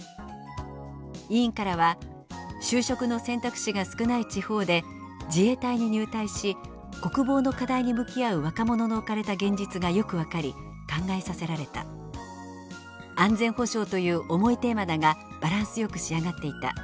委員からは「就職の選択肢が少ない地方で自衛隊に入隊し国防の課題に向き合う若者の置かれた現実がよく分かり考えさせられた」「安全保障という重いテーマだがバランスよく仕上がっていた。